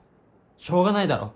しょうがないだろ。